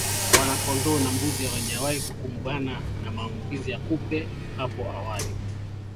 Wanakondoo na mbuzi hawajawahi kukumbana na maambukizi ya kupe hapo awali